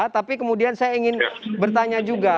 tapi kemudian saya ingin bertanya juga